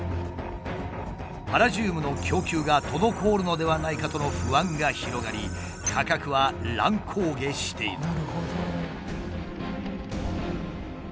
パラジウムの供給が滞るのではないかとの不安が広がり価格は乱高下している。